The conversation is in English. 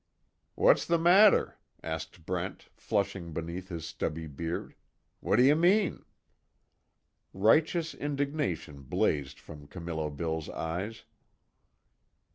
"What's the matter?" asked Brent, flushing beneath his stubby beard, "What do you mean?" Righteous indignation blazed from Camillo Bill's eyes.